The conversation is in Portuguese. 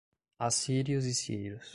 Assírios e sírios